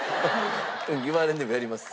言われんでもやります。